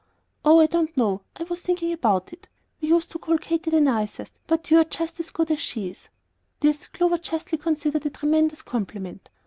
"Oh, I don't know. I was thinking about it. We used to call Katy the nicest, but you're just as good as she is. [This Clover justly considered a tremendous compliment.